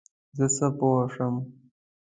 زه څه پوه شم ؟